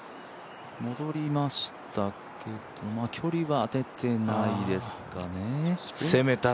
戻りましたけど、距離は出てないですかね。